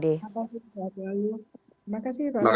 terima kasih pak